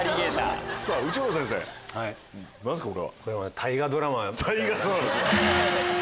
大河ドラマ。